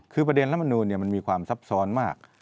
คือประเด็นรัฐมนูลมันมีความซับซ้อนมาก